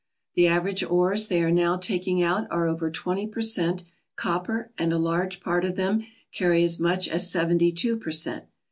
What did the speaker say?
The average ores they are now taking out are over twenty per cent, copper, and a large part of them carry as much as seventy two per cent.